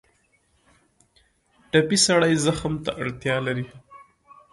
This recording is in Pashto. ټپي سړی زغم ته اړتیا لري.